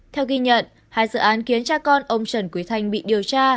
theo ghi nhận hai dự án khiến cha con ông trần quý thanh bị điều tra